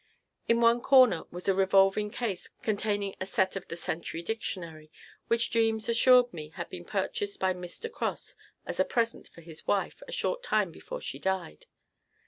In one corner was a revolving case containing a set of the "Century Dictionary" which Jeemes assured me had been purchased by Mr. Cross as a present for his wife a short time before she died.